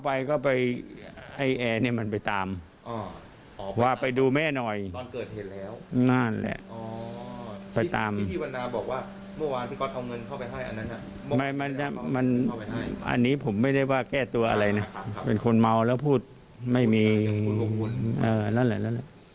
เป็นคนเมาแล้วพูดไม่มีนั่นแหละ